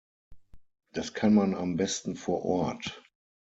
Das kann man am besten vor Ort.